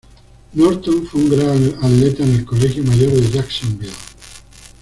Norton fue un gran atleta en el Colegio Mayor de Jacksonville.